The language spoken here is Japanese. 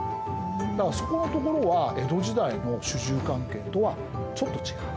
だからそこのところは江戸時代の主従関係とはちょっと違う。